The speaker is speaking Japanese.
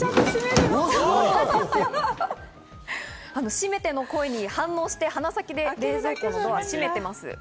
閉めての声に反応して、鼻先で冷蔵庫のドアを閉めています。